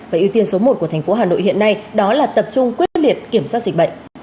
và ưu tiên số một của thành phố hà nội hiện nay đó là tập trung quyết liệt kiểm soát dịch bệnh